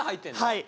はい。